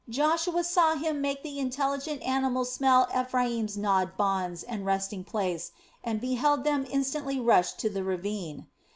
Joshua saw him make the intelligent animals smell Ephraim's gnawed bonds and resting place, and beheld them instantly rush to the ravine.